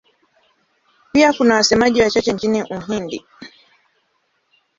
Pia kuna wasemaji wachache nchini Uhindi.